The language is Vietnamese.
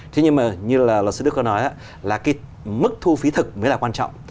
thế nhưng mà như là luật sư đức có nói là cái mức thu phí thực mới là quan trọng